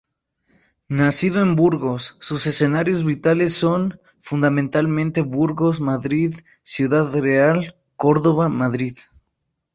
Nacido en Burgos, sus escenarios vitales son, fundamentalmente, Burgos-Madrid-Ciudad Real-Córdoba-Madrid.